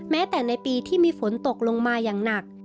แม้แต่ในปีที่มีฝนตกลงมาอย่างหนัก